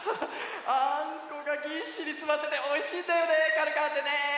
あんこがぎっしりつまってておいしいんだよねかるかんってね！